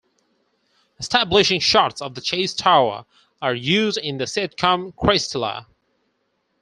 Establishing shots of the Chase Tower are used in the sitcom Cristela.